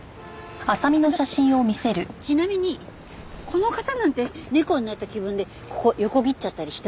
あのちなみにこの方なんて猫になった気分でここ横切っちゃったりしてますか？